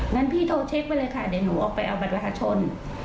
งั้นพี่โทรเช็คไปเลยค่ะเดี๋ยวหนูออกไปเอาบัตรประชาชน